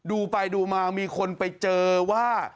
ดูไปดูมามีคนไปเจอว่า